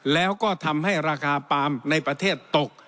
แล้วก็ทำให้ราคาปาล์มในประเทศตก